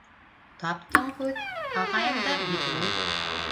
— Таптың һүҙ, ағайымдар бит ул.